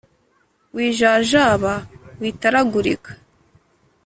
Wijajaba, witaragurika :